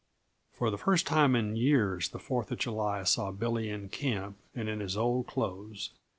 For the first time in years the Fourth of July saw Billy in camp and in his old clothes.